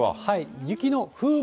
雪の風紋。